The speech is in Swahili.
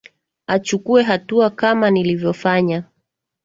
achukue hatua kama nilivyofanya